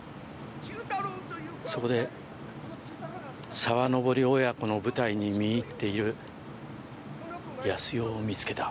そこで沢登親子の舞台に見入っている康代を見つけた。